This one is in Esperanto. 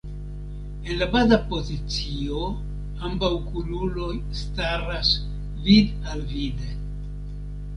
En la baza pozicio ambaŭ kunuloj staras vid-al-vide.